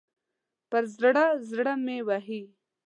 پر زړه، زړه مې ووهئ